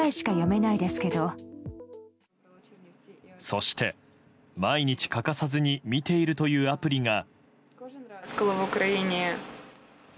そして、毎日欠かさずに見ているというアプリが。